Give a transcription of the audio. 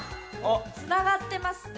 つながってますね！